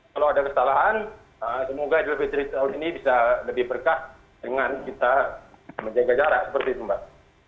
kalau ada kesalahan semoga idul fitri tahun ini bisa lebih berkah dengan kita menjaga jarak seperti itu mbak